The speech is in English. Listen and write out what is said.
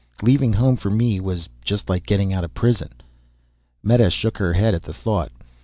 Leaving home for me was just like getting out of prison." Meta shook her head at the thought.